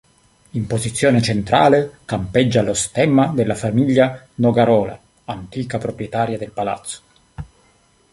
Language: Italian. In posizione centrale campeggia lo stemma della famiglia Nogarola, antica proprietaria del palazzo.